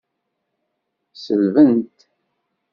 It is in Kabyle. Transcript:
Sselben-t.